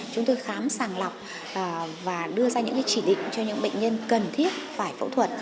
chúng tôi khám sàng lọc và đưa ra những chỉ định cho những bệnh nhân cần thiết phải phẫu thuật